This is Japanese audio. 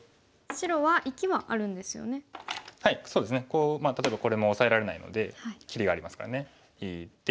こう例えばこれもオサえられないので切りがありますからね引いて。